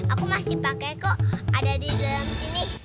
aku masih pakai kok ada di dalam sini